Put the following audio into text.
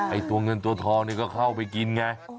ไอ้ตัวเงินตัวทองนี่ก็เข้าไปกินไง